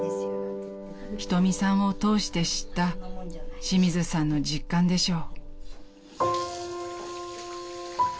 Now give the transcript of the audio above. ［瞳さんを通して知った清水さんの実感でしょう］